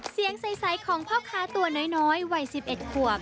เสียงใสของพ่อค้าตัวน้อยวัย๑๑ขวบ